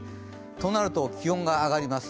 となると、気温が上がります。